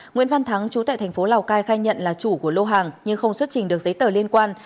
nguyễn văn thắng chú tại thành phố lào cai khai nhận là chủ của lô hàng nhưng không xuất trình được giấy tờ liên quan